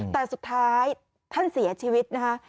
แต่สุดท้ายท่านเสียชีวิตนะคะ